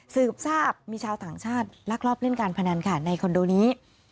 สืบทราบมีชาวต่างชาติลักลอบเล่นการพนันค่ะในคอนโดนี้